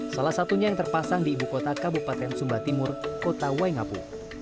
salah satunya yang terpasang di ibu kota kabupaten sumba timur kota waingapu